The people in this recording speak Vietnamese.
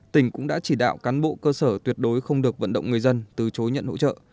tỉnh cũng đã chỉ đạo cán bộ cơ sở tuyệt đối không được vận động người dân từ chối nhận hỗ trợ